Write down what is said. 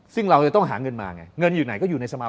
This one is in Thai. ซึ่งเราจะต้องหาเงินมาไงเงินอยู่ไหนก็อยู่ในสมา